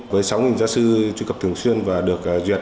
với sáu giáo sư truy cập thường xuyên và được duyệt